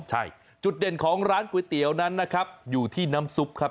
ใช่จุดเด่นของร้านก๋วยเตี๋ยวนั้นนะครับอยู่ที่น้ำซุปครับ